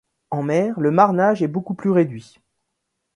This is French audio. En mer, le marnage est beaucoup plus réduit.